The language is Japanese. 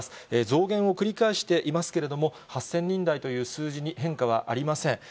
増減を繰り返していますけれども、８０００人台という数字に変化はありません。